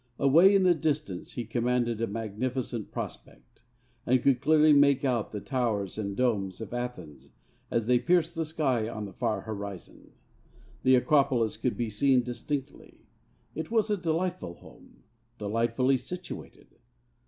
Away in the distance he commanded a magnificent prospect, and could clearly make out the towers and domes of Athens as they pierced the sky on the far horizon. The Acropolis could be seen distinctly. It was a delightful home, delightfully situated.